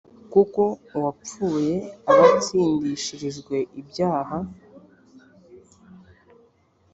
kuko uwapfuye aba atsindishirijwe ibyaha